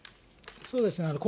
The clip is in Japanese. そうですね。